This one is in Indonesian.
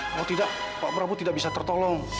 kalau tidak pak prabu tidak bisa tertolong